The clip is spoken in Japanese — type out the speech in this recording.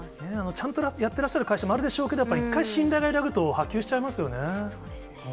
ちゃんとやってらっしゃる会社もあるんでしょうけど、やっぱり一回信頼が揺らぐと波及しちゃそうですよね。